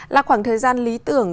là khoảng thời gian lý tưởng